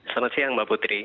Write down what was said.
selamat siang mbak putri